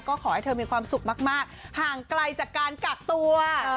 ก็ขอให้เธอมีความสุขมากห่างไกลจากการกักตัว